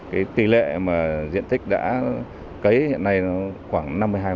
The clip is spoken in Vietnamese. cái tỷ lệ mà diện tích đã cấy hiện nay khoảng năm mươi hai